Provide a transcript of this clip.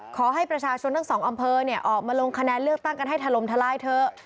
ขอให้ประชาชนทั้งสองอำเภอออกมาลงคะแนนเลือกตั้งกันให้ถล่มทลายเถอะ